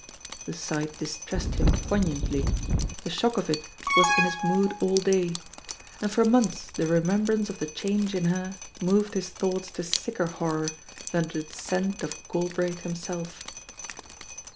The sight dis tressed him poignantly, the shock of it was in his mood all day; and for months the rememhrance of the change in her moved his thoughts to sicker horror than the descent of Galbraith himself.